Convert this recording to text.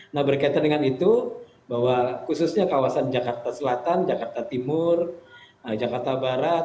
nah berkaitan dengan itu bahwa khususnya kawasan jakarta selatan jakarta timur jakarta barat